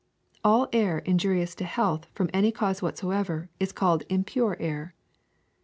All air injurious to health from any cause whatsoever is called impure air.